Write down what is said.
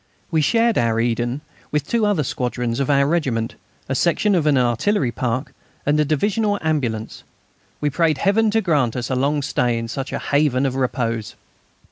We shared our Eden with two other squadrons of our regiment, a section of an artillery park, and a divisional ambulance. We prayed Heaven to grant us a long stay in such a haven of repose.